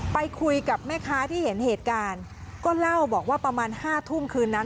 ไปคุยกับแม่ค้าที่เห็นเหตุการณ์ก็เล่าบอกว่าประมาณห้าทุ่มคืนนั้น